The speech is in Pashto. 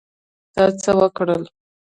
تا څه وکړل؟